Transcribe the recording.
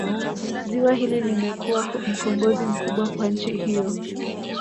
Ziwa hili limekuwa mkombozi mkubwa kwa nchi hiyo